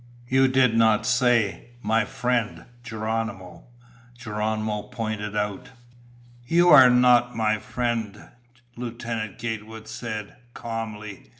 "You did not say, 'My friend, Geronimo,'" Geronimo pointed out. "You are not my friend," Lieutenant Gatewood said calmly.